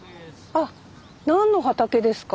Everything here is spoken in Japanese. あっ何の畑ですか？